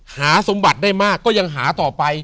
หาสมบัติมากด้วยอย่างหาต่อไป